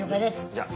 じゃあ。